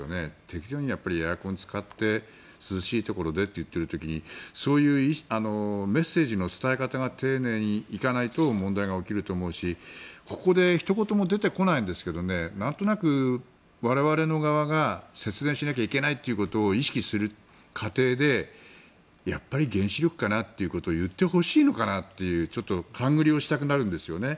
適度にエアコンを使って涼しいところでと言っている時にそういうメッセージの伝え方が丁寧にいかないと問題が起きると思うしここでひと言も出てこないんですけどなんとなく我々の側が節電しなきゃいけないということを意識する過程でやっぱり原子力かなってことを言ってほしいのかなって勘繰りをしたくなるんですよね。